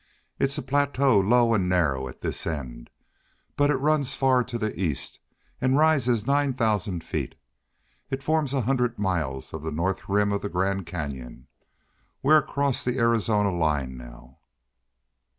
It's a plateau low and narrow at this end, but it runs far to the east and rises nine thousand feet. It forms a hundred miles of the north rim of the Grand Canyon. We're across the Arizona line now."